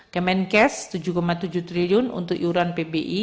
kemenkes rp tujuh tujuh triliun untuk iuran pbi